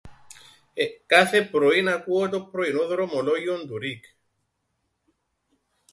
Κάθε πρωίν ακούω το Πρωινόν Δρομολόγιον του ΡΙΚ.